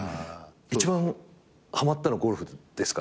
一番はまったのゴルフですか？